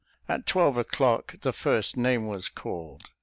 At twelve o'clock the first name was called.